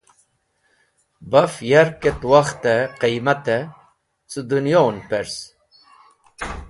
Baf yarkẽt wakhtẽ qẽymatẽ cẽ donovẽn pers.